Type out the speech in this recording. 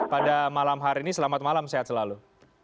pada malam hari ini selamat malam sehat selalu